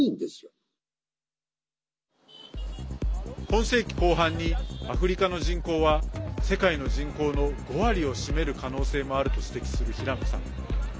今世紀後半にアフリカの人口は世界の人口の５割を占める可能性もあると指摘する平野さん。